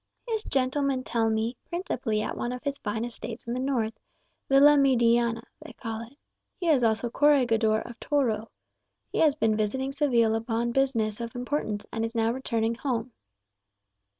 "His gentlemen tell me, principally at one of his fine estates in the north, Villamediana they call it. He is also corregidor[#] of Toro. He has been visiting Seville upon business of importance, and is now returning home."